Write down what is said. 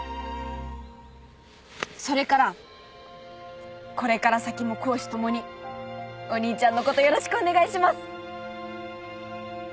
それからこれから先も公私ともにお兄ちゃんのことよろしくお願いします！